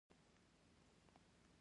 علاوالدین ته د ګوتمۍ پیری ور په یاد شو.